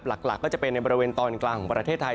หลักก็จะเป็นในบริเวณตอนกลางของประเทศไทย